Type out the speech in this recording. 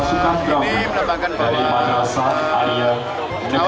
ini menambahkan bahwa